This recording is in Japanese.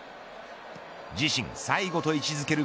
自身最後と位置づける